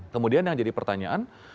kemudian yang jadi pertanyaan